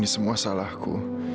ini semua salahku